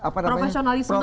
profesionalisme lah ya